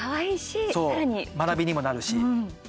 学びにもなるし。